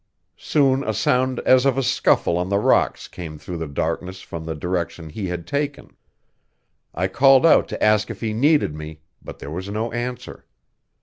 Soon a sound as of a scuffle on the rocks came through the darkness from the direction he had taken. I called out to ask if he needed me, but there was no answer.